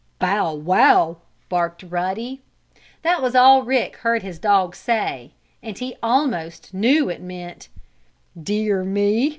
"Bow, wow!" barked Ruddy. That was all Rick heard his dog say, and he almost knew it meant: "Dear me!